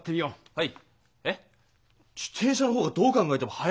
はい。